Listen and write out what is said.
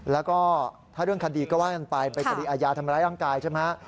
แล้วก็ถ้าเรื่องคดีก็ว่ากันไปเป็นคดีอาญาทำร้ายร่างกายใช่ไหมฮะ